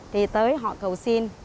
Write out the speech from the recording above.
thì tới họ cầu xin